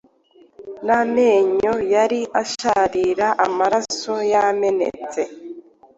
Namenyo yari asharira Amaraso yamenetse